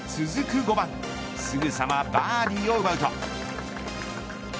すぐさまバーディーを奪うと。